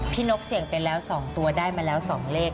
นกเสี่ยงไปแล้ว๒ตัวได้มาแล้ว๒เลข